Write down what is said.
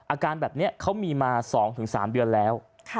อาการแบบนี้เขามีมา๒๓เดือนแล้ว